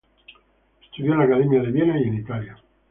Estudió en la Academia de Viena y en Italia.